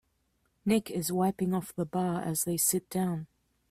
Nick is wiping off the bar as they sit down.